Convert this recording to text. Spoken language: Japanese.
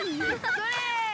それ！